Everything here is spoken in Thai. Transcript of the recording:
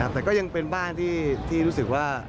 แต่ก็ยังเป็นบ้านที่รู้สึกว่า